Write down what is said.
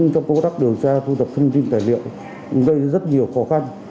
trong công tác điều tra thu thập thông tin tài liệu gây rất nhiều khó khăn